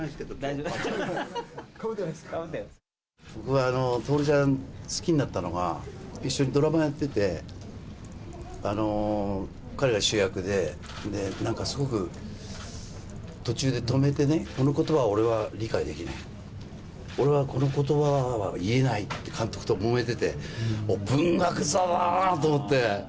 僕は徹ちゃん、好きになったのが、一緒にドラマやってて、彼が主役で、なんかすごく途中で止めてね、このことばを俺は理解できない、俺はこのことばは言えないって監督ともめてて、文学座だなと思って。